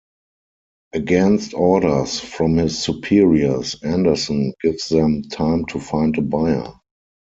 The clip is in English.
Against orders from his superiors, Anderson gives them time to find a buyer.